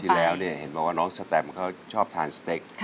แล้วเนี่ยเห็นบอกว่าน้องสแตมเขาชอบทานสเต็ก